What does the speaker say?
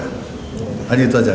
hanya itu saja